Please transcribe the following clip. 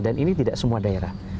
ini tidak semua daerah